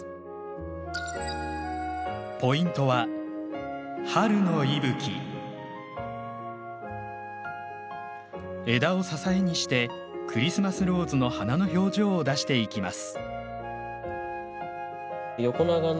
ポイントは枝を支えにしてクリスマスローズの花の表情を出していきます。